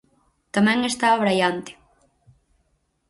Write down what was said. Tamén está abraiante.